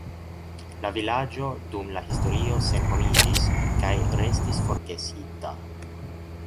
La vilaĝo dum la historio senhomiĝis kaj restis forgesita.